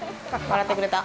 笑ってくれた！